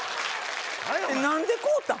何で買うたん？